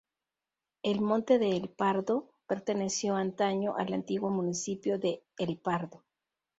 El Monte de El Pardo perteneció antaño al antiguo municipio de El Pardo.